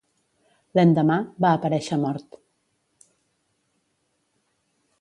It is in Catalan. L'endemà, va aparéixer mort